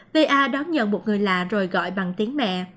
pa đón nhận một người lạ rồi gọi bằng tiếng mẹ